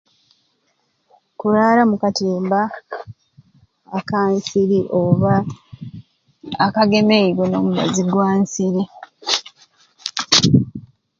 Kuraara mukatimba akansiri oba akagemeyibwe n'omubazi gwansiri